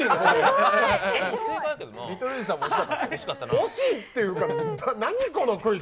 惜しいっていうか、何このクイズ。